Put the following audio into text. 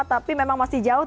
tapi memang masih jauh